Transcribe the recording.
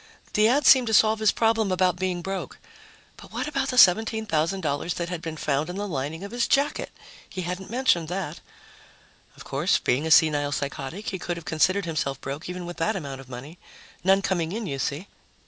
The ad seemed to solve his problem about being broke. But what about the $17,000 that had been found in the lining of his jacket? He hadn't mentioned that. Of course, being a senile psychotic, he could have considered himself broke even with that amount of money. None coming in, you see.